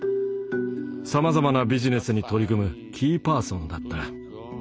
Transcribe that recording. さまざまなビジネスに取り組むキーパーソンだった。